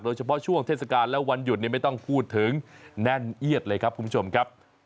ช่วงเทศกาลและวันหยุดไม่ต้องพูดถึงแน่นเอียดเลยครับคุณผู้ชมครับ